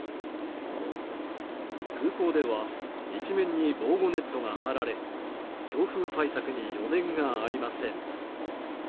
空港では一面に防護ネットが張られ強風対策に余念がありません。